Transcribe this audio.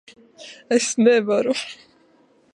Es nevaru.